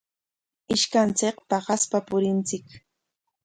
Ishkanchik paqaspa purinchik.